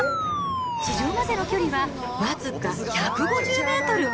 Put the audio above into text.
地上までの距離は、僅か１５０メートル。